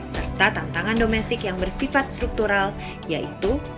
serta tantangan domestik yang bersifat struktural yaitu